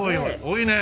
多いね！